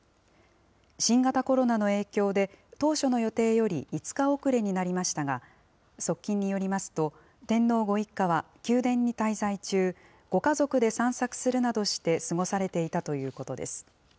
新型コロナの影響で、当初の予定より５日遅れになりましたが、側近によりますと、天皇ご一家は宮殿に滞在中、ご家族で散策するなどして過ごされていたということです。